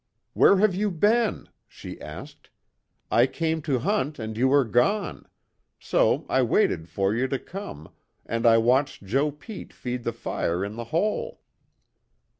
"Where have you been?" she asked. "I came to hunt and you were gone. So I waited for you to come, and I watched Joe Pete feed the fire in the hole."